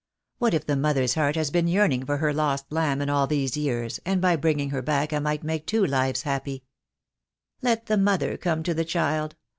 "What if the mother's heart has been yearning for her lost lamb in all these years, and by bringing her back I might make two lives happy." "Let the mother come to the child.